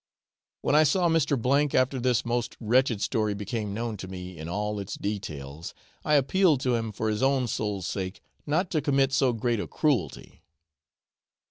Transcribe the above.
When I saw Mr. after this most wretched story became known to me in all its details, I appealed to him for his own soul's sake not to commit so great a cruelty.